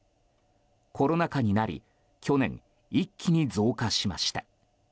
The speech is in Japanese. コロナ禍になり去年、一気に増加しました。